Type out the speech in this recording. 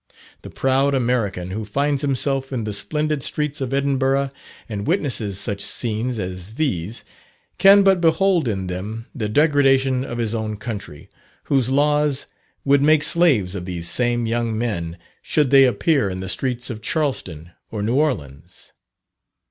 The proud American who finds himself in the splendid streets of Edinburgh, and witnesses such scenes as these, can but behold in them the degradation of his own country, whose laws would make slaves of these same young men, should they appear in the streets of Charleston or New Orleans.